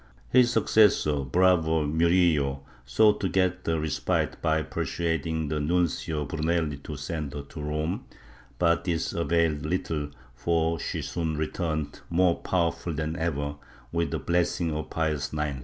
His successor, Bravo ^lurillo, sought to get a respite by persuading the Nuncio Brunelli to send her to Rome, but this availed little, for she soon returned, more powerful than ever, with the blessing of Pius IX.